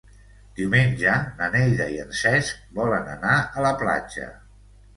Diumenge na Neida i en Cesc volen anar a la platja.